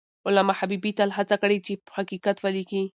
علامه حبیبي تل هڅه کړې چې حقیقت ولیکي.